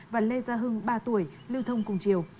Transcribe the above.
và lê gia hưng ba tuổi lưu thông cùng chiều